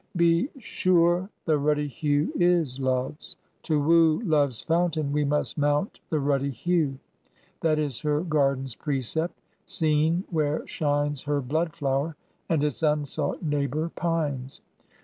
Be sure the ruddy hue is Love's: to woo Love's Fountain we must mount the ruddy hue. That is her garden's precept, seen where shines Her blood flower, and its unsought neighbour pines.